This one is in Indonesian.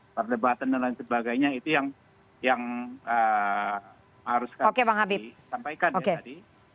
pertebatan dan lain sebagainya itu yang harus disampaikan tadi